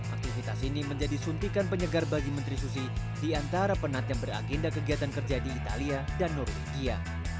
aktivitas ini menjadi suntikan penyegar bagi menteri susi di antara penat yang beragenda kegiatan kerja di italia dan norwegia